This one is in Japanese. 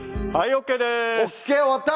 ＯＫ終わった！